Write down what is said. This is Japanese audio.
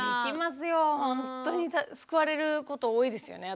ほんとに救われること多いですよね。